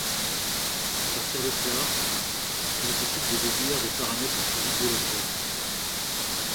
À partir de cela, il est possible de déduire des paramètres physiques de l’objet.